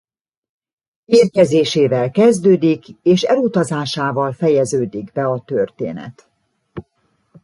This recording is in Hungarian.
Érkezésével kezdődik és elutazásával fejeződik be a történet.